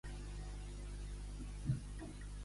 De quins consells sanitaris ha informat Armengol la població?